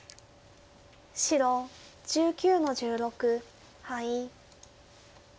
白１９の十六ハイ。